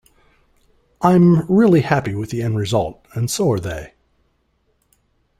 I'm really happy with the end result and so are they.